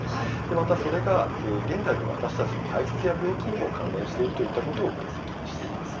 また、それが現代の私たちの体質や病気にも関連しているといったことを分析しています。